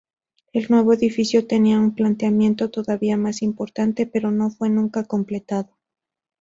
El nuevo edificio tenía un planteamiento todavía más imponente, pero no fue nunca completado.